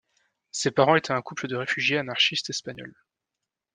Ses parents étaient un couple de réfugiés anarchistes espagnols.